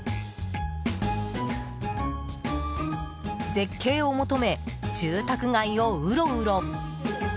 絶景を求め住宅街をうろうろ。